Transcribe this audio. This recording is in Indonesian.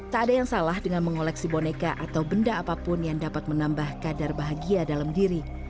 tak ada yang salah dengan mengoleksi boneka atau benda apapun yang dapat menambah kadar bahagia dalam diri